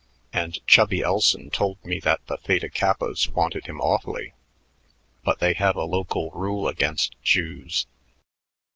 And Chubby Elson told me that the Theta Kappas wanted him awfully, but they have a local rule against Jews."